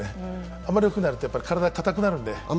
あまり大きくなると体が硬くなるので。